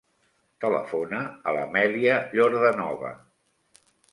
Telefona a l'Amèlia Yordanova.